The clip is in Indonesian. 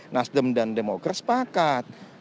nasdem dan demokrasi sepakat